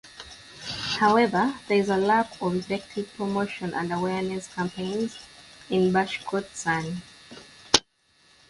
However, there is a lack of effective promotion and awareness campaigns in Bashkortostan.